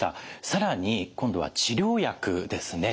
更に今度は治療薬ですね。